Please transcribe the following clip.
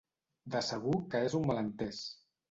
De segur que és un malentés!